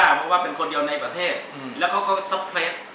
เพราะว่าเป็นคนเดียวในประเทศแล้วเขาก็สเครด